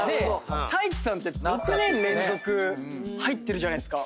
太一さんって６年連続入ってるじゃないっすか。